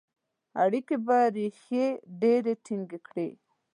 اړیکي به ریښې ډیري ټینګي کړي.